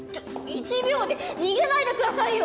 １秒で逃げないでくださいよ！